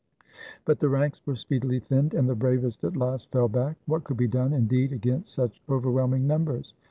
But the ranks were speedily thinned, and the bravest at last fell back. What could be done, indeed, against such over whelming numbers?